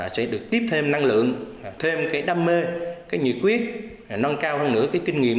sẽ được tiếp thêm năng lượng thêm cái đam mê cái nhiệt quyết nâng cao hơn nữa cái kinh nghiệm